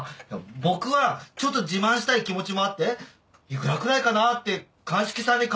僕はちょっと自慢したい気持ちもあっていくらくらいかなって鑑識さんに鑑定してもらったんですよ。